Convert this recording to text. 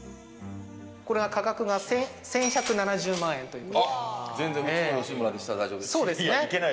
これは価格が１１７０万円という。